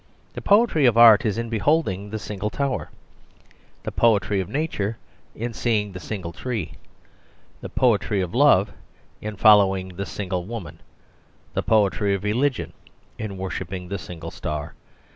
The poetry of art is in beholding the single tower; the poetry of nature in seeing the single tree; the poetry of love in following the single woman; the poetry of religion in worshipping the single star.